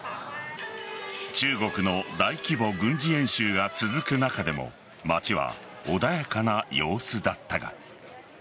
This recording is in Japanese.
中国の大規模軍事演習が続く中でも街は穏やかな様子だったが。